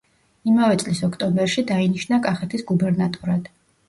იმავე წლის ოქტომბერში დაინიშნა კახეთის გუბერნატორად.